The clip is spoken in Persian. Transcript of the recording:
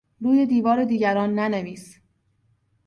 روی دیوار دیگران ننویس.